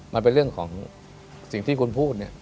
มันเป็นเรื่องของสิ่งที่คุณพูดเนี่ย